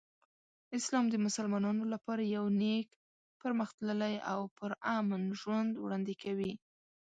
اسلام د مسلمانانو لپاره یو نیک، پرمختللی او پرامن ژوند وړاندې کوي.